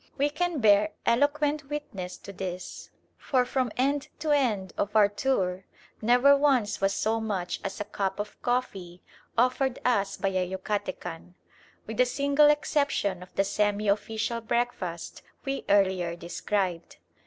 We can bear eloquent witness to this, for from end to end of our tour never once was so much as a cup of coffee offered us by a Yucatecan, with the single exception of the semi official breakfast we earlier described.